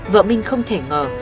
vợ minh không thể ngờ